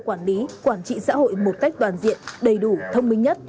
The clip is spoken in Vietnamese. quản lý quản trị xã hội một cách toàn diện đầy đủ thông minh nhất